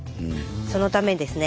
そのためですね